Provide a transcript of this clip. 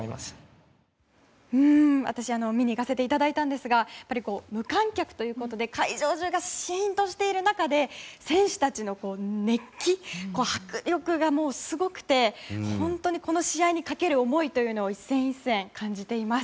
私見に行かせていただいたんですがやっぱり、無観客ということで会場中がシーンとしている中で選手たちの熱気、迫力がすごくて、本当にこの試合にかける思いというのを一戦一戦、感じています。